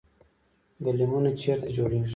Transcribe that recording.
ګلیمونه چیرته جوړیږي؟